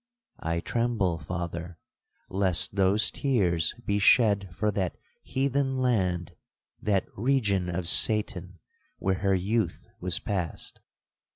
I tremble, Father, lest those tears be shed for that heathen land, that region of Satan, where her youth was past.'